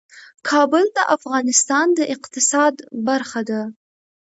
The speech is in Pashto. کابل د افغانستان د اقتصاد برخه ده.